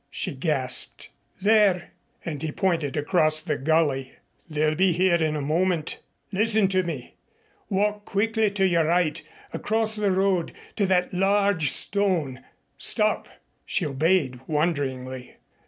she gasped. "There," and he pointed across the gully. "They'll be here in a moment. Listen to me! Walk quickly to your right, across the road to that large stone. Stop!" She obeyed wonderingly.